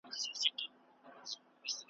یوه بله کښتۍ ډکه له ماهیانو .